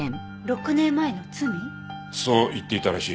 そう言っていたらしい。